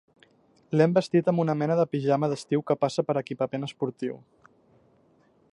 L'hem vestit amb una mena de pijama d'estiu que passa per equipament esportiu.